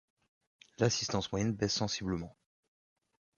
L'assistance moyenne baisse sensiblement.